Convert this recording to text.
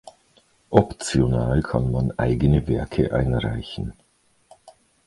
Optional kann man eigene Werke einreichen.